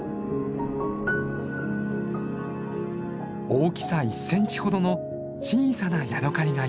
大きさ１センチほどの小さなヤドカリがいました。